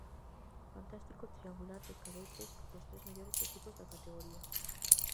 Fantástico triangular de cadetes cos tres mellores equipos da categoría.